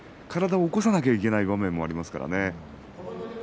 体は起こさなきゃいけない場面もあります。